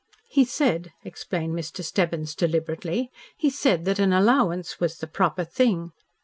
"He said," explained Mr. Stebbins deliberately, "he said that an allowance was the proper thing.